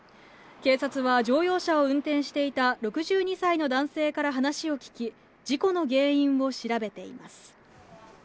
警察は乗用車を運転していた６２歳の男性から話を聞き、事故の原因を調べています。